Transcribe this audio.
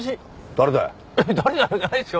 「誰だよ」じゃないですよ。